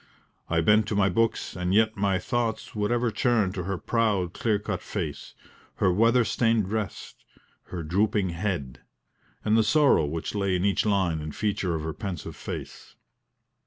I bent to my books, and yet my thoughts would ever turn to her proud clear cut face, her weather stained dress, her drooping head, and the sorrow which lay in each line and feature of her pensive face.